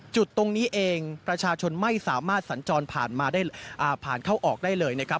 จุดตรงนี้เองประชาชนไม่สามารถสัญจรผ่านมาได้ผ่านเข้าออกได้เลยนะครับ